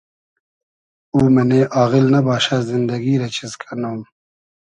او مئنې آغیل نئباشۂ زیندئگی رۂ چیز کئنوم